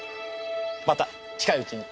また近いうちに。